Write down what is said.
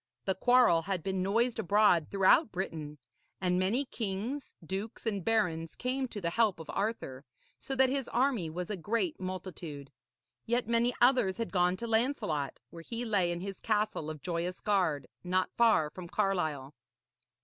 The quarrel had been noised abroad throughout Britain, and many kings, dukes and barons came to the help of Arthur, so that his army was a great multitude. Yet many others had gone to Lancelot, where he lay in his castle of Joyous Gard, not far from Carlisle.